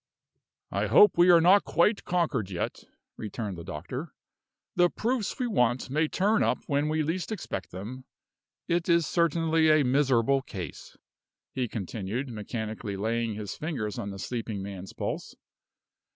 "I hope we are not quite conquered yet," returned the doctor. "The proofs we want may turn up when we least expect them. It is certainly a miserable case," he continued, mechanically laying his fingers on the sleeping man's pulse.